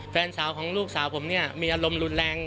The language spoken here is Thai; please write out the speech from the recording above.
แฟนสาวของลูกสาวผมเนี่ยมีอารมณ์รุนแรง